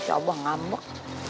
si abah ngambek